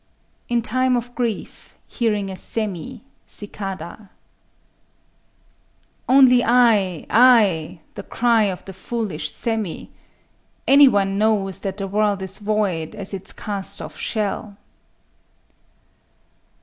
IN TIME OF GRIEF, HEARING A SÉMI (CICADA) _Only "I," "I,"—the cry of the foolish semi! Any one knows that the world is void as its cast off shell.